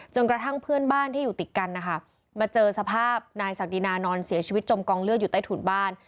กระทั่งเพื่อนบ้านที่อยู่ติดกันนะคะมาเจอสภาพนายศักดินานอนเสียชีวิตจมกองเลือดอยู่ใต้ถุนบ้าน